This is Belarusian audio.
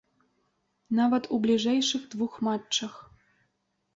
Нават у бліжэйшых двух матчах.